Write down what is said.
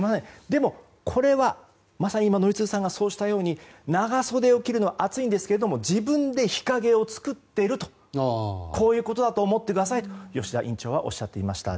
でも、これはまさに今宜嗣さんがそうしたように長袖を着るのは暑いんですが自分で日陰を作っているとこういうことだと思ってくださいと吉田院長はおっしゃっていました。